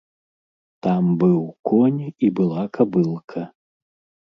Там быў конь і была кабылка.